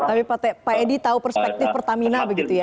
tapi pak edi tahu perspektif pertamina begitu ya